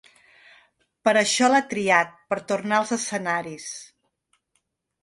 Per això l’ha triat per tornar als escenaris.